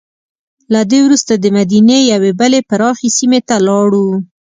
له دې وروسته دمدینې یوې بلې پراخې سیمې ته لاړو.